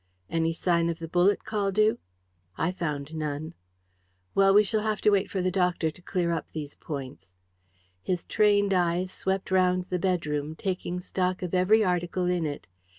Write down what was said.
Any sign of the bullet, Caldew?" "I found none." "Well, we shall have to wait for the doctor to clear up these points." His trained eyes swept round the bedroom, taking stock of every article in it.